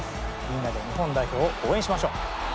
みんなで日本代表を応援しましょう！